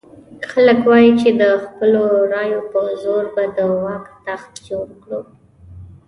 خلک وایي چې د خپلو رایو په زور به د واک تخت جوړ کړو.